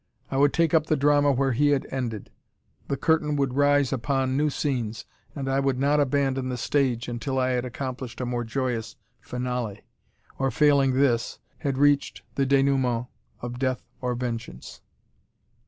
I would take up the drama where he had ended. The curtain should rise upon new scenes, and I would not abandon the stage until I had accomplished a more joyous finale; or, failing this, had reached the denouement of death or vengeance.